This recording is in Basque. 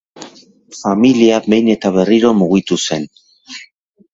Familia behin eta berriro mugitu zen.